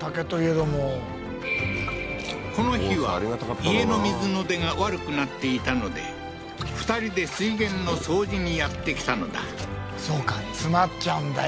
竹といえどもこの日は家の水の出が悪くなっていたので２人で水源の掃除にやって来たのだそうか詰まっちゃうんだ